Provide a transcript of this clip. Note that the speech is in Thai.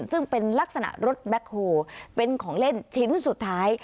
ซึ่งเป็นลักษณะรถแบ็คโฮลเป็นของเล่นชิ้นสุดท้าย